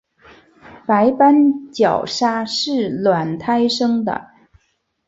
白斑角鲨是卵胎生的。